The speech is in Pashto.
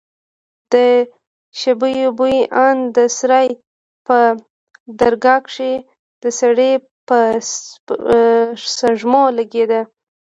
د شبيو بوى ان د سراى په درگاه کښې د سړي په سپږمو لگېده.